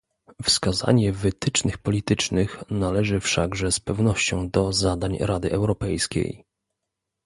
Wskazanie wytycznych politycznych należy wszakże z pewnością do zadań Rady Europejskiej